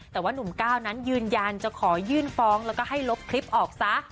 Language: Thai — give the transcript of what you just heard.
แต่ว่านุ่มก้าวนั้นยืนยันจะขอยื่นฟ้องแล้วก็ให้ลบคลิปออกซะ